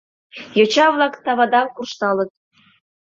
Йоча-влак тавадаҥ куржталыт.